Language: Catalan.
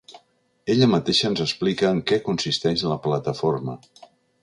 Ella mateixa ens explica en què consisteix la plataforma.